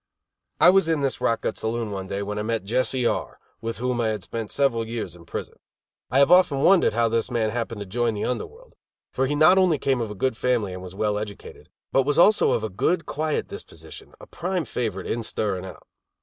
I was in this rot gut saloon one day when I met Jesse R , with whom I had spent several years in prison. I have often wondered how this man happened to join the under world; for he not only came of a good family and was well educated, but was also of a good, quiet disposition, a prime favorite in stir and out.